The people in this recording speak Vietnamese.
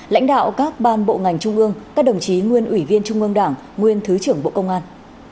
lãnh đạo các ban bộ ngành trung ương các đồng chí nguyên ủy viên trung ương đảng nguyên thứ trưởng bộ công an